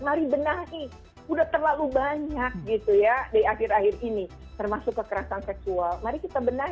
mari benahi sudah terlalu banyak